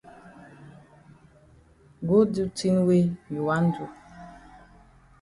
Go do tin wey you wan do.